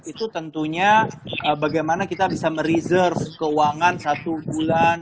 itu tentunya bagaimana kita bisa mereserve keuangan satu bulan